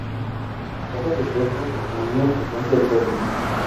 Hojas opuestas o con menos frecuencia alternas.